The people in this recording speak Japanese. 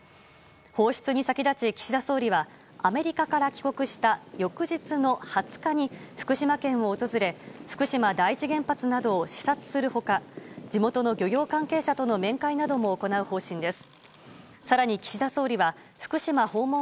放出に先立ち、岸田総理はアメリカから帰国した翌日の２０日に福島県を訪れ福島第一原発などを視察する他地元の漁業関係者との面会なども行う方針です。